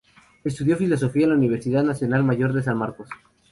Estudió filosofía en la Universidad Nacional Mayor de San Marcos.